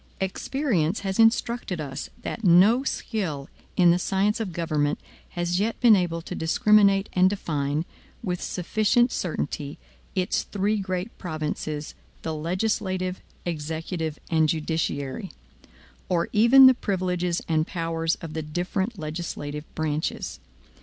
Experience has instructed us that no skill in the science of government has yet been able to discriminate and define, with sufficient certainty, its three great provinces the legislative, executive, and judiciary; or even the privileges and powers of the different legislative branches.